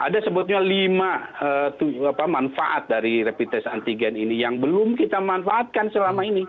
ada sebetulnya lima manfaat dari rapid test antigen ini yang belum kita manfaatkan selama ini